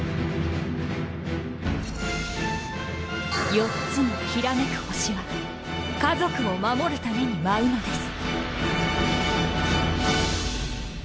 四つの煌めく星は家族を守るために舞うのです。